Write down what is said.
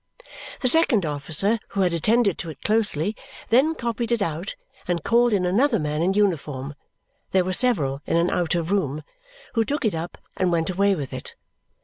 The second officer, who had attended to it closely, then copied it out and called in another man in uniform (there were several in an outer room), who took it up and went away with it.